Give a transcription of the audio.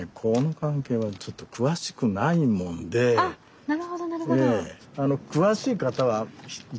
あっなるほどなるほど。